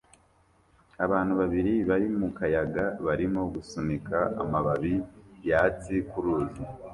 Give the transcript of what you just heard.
Abantu babiri bari mu kayaga barimo gusunika amababi yatsi ku ruzi